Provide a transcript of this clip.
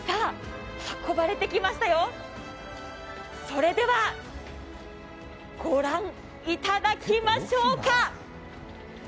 運ばれてきましたよ、それでは御覧いただきましょうか。